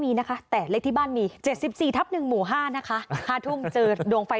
มีนะคะแต่เลขที่บ้านมี๗๔ทับ๑หมู่๕นะคะ๕ทุ่มเจอดวงไฟ